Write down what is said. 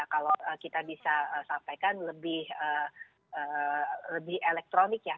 kalau kita bisa sampaikan lebih elektronik ya